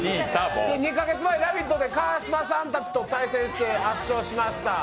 ２か月前「ラヴィット！」で川島さんたちと対戦して圧勝しました。